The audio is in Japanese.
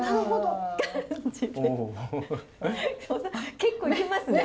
結構いきますね。